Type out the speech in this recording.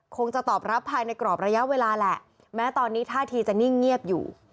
จะตอบรับภายในกรอบระยะเวลาแหละแม้ตอนนี้ท่าทีจะนิ่งเงียบอยู่